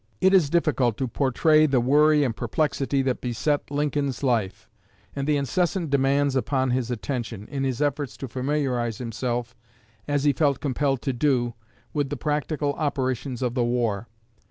'" It is difficult to portray the worry and perplexity that beset Lincoln's life, and the incessant demands upon his attention, in his efforts to familiarize himself, as he felt compelled to do, with the practical operations of the war.